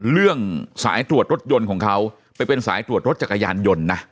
เรื่องสายตรวจรถยนต์ของเขาไปเป็นสายตรวจรถจักรยานยนต์นะ